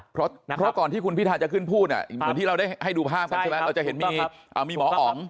เพราะก่อนที่คุณพิทาจะขึ้นพูดเหมือนที่เราได้ให้ดูภาพกันใช่ไหมเราจะเห็นมีหมออ๋อง